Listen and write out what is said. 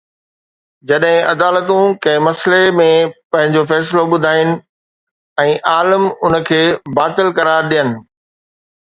جڏهن عدالتون ڪنهن مسئلي ۾ پنهنجو فيصلو ٻڌائين ۽ عالم ان کي باطل قرار ڏين